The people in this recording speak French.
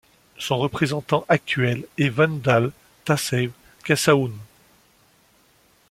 Son représentant actuel est Wendale Tassew Kassahun.